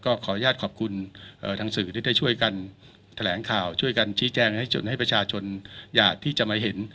ขออนุญาตขอบคุณทางสื่อที่ได้ช่วยกันแถลงข่าวช่วยกันชี้แจงให้จนให้ประชาชนอยากที่จะมาเห็น